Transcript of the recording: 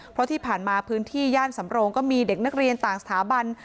เพราะที่ผ่านมาพื้นที่ย่านสำโรงก็มีเด็กนักเรียนต่างสถาบัน